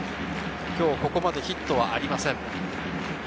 今日ここまでヒットはありません。